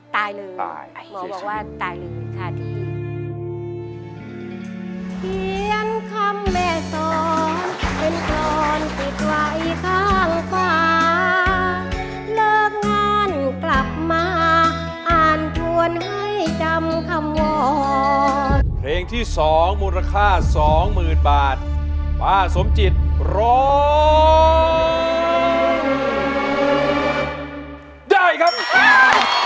ตายเลยเหรอหมอบอกว่าตายเลยค่ะดี